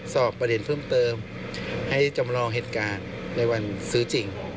สอบประเด็นเพิ่มเติมให้จำลองเหตุการณ์ในวันซื้อจริง